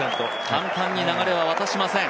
簡単に流れは渡しません。